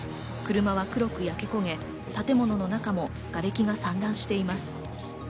車は黒く焼け焦げ、建物の中もがれきが散乱しています。